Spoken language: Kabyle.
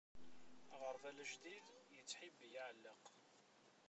Aɣerbal ajdid, yettḥibbi aɛellaq.